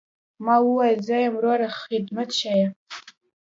ما وويل زه يم وروه خدمت ښييه.